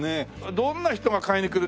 どんな人が買いに来る？